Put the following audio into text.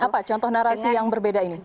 apa contoh narasi yang berbeda ini